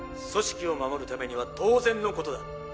組織を守るためには当然のことだ